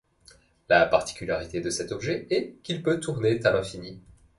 La particularité de cet objet est qu'il peut tourner à l'infini.